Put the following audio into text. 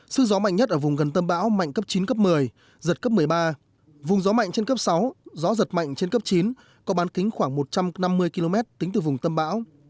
sức gió mạnh nhất ở vùng gần tâm bão mạnh cấp chín cấp một mươi giật cấp một mươi ba vùng gió mạnh trên cấp sáu gió giật mạnh trên cấp chín có bán kính khoảng một trăm năm mươi km tính từ vùng tâm bão